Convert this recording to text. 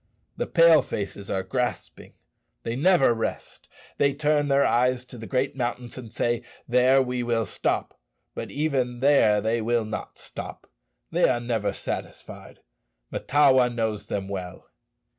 The Pale faces are grasping. They never rest. They turn their eyes to the great mountains and say, 'There we will stop.' But even there they will not stop. They are never satisfied; Mahtawa knows them well."